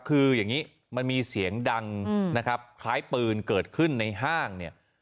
คืออย่างนี้มันมีเสียงดังนะครับคล้ายปืนเกิดขึ้นในห้างเนี่ย